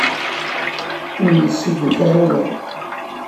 Ur yessuggut ara awal.